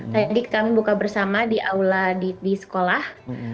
tadi kami buka bersama di aula di sekolah